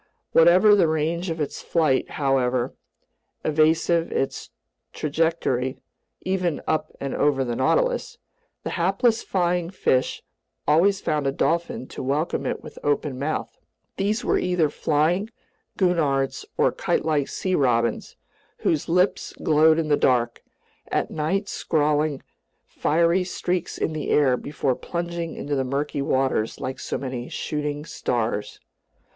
Whatever the range of its flight, however evasive its trajectory (even up and over the Nautilus), the hapless flying fish always found a dolphin to welcome it with open mouth. These were either flying gurnards or kitelike sea robins, whose lips glowed in the dark, at night scrawling fiery streaks in the air before plunging into the murky waters like so many shooting stars.